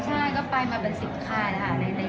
ใช่ก็ไปมาเป็น๑๐คลายเลยค่ะใน๗ปีนี้